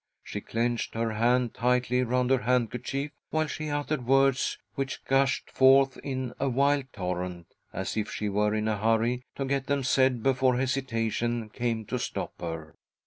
She clenched her hand tightly round her handkerchief, while she uttered words which gushed forth in a wild torrent, as if she were in a hurry to get them said before hesitation came to stop her.